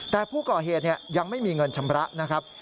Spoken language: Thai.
แต่ผู้ก่อเหตุยังไม่มีเงินชำระนะครับ